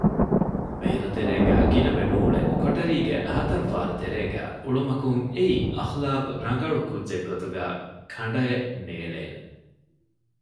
ބޭރުތެރޭގައި ގިނަވެ ނޫޅެ ކޮޓަރީގެ ހަތަރު ފާރުތެރޭގައި އުޅުމަކުން އެއީ އަޚްލާޤްރަނގަޅު ކުއްޖެއްގެ ގޮތުގައި ކަނޑައެއް ނޭޅޭނެ